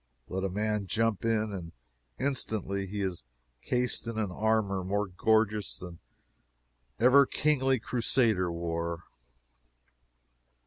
Let a man jump in, and instantly he is cased in an armor more gorgeous than ever kingly Crusader wore.